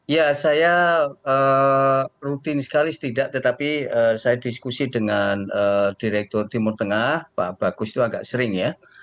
ya saya rutin sekali setidak tetapi saya diskusi dengan direktur timur tengah pak pak chris itu agak sering ya